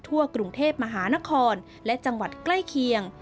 ทั่วกรุงเทพมหานครและจังหวัดใกล้เคียง